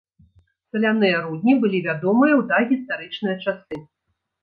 Саляныя рудні былі вядомыя ў дагістарычныя часы.